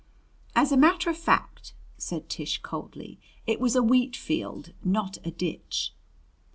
"As a matter of fact," said Tish coldly, "it was a wheat field, not a ditch."